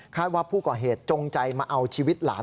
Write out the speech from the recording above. ว่าผู้ก่อเหตุจงใจมาเอาชีวิตหลาน